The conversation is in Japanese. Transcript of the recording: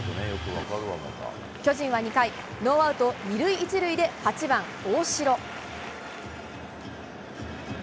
巨人は２回、ノーアウト２塁１塁で、８番大城。